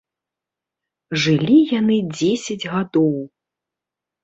Жылі яны дзесяць гадоў.